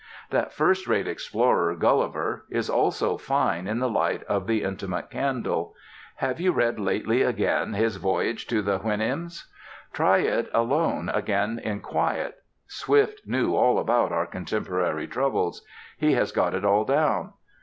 That first rate explorer, Gulliver, is also fine in the light of the intimate candle. Have you read lately again his Voyage to the Houyhnhnms? Try it alone again in quiet. Swift knew all about our contemporary troubles. He has got it all down.